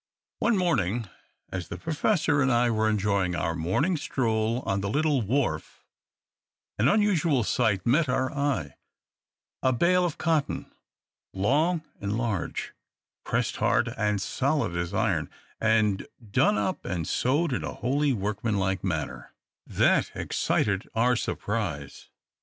One morning, as the Professor and I were enjoying our morning stroll on the little wharf, an unusual sight met our eye, a bale of cotton, long and large, pressed hard and solid as iron, and done up and sewed in a wholly workmanlike manner, that excited our surprise.